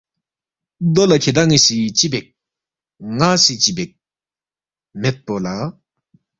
دو لہ کِھدان٘ی سی چِہ بیک ، ن٘ا سی چِہ بیک، مید پو لہ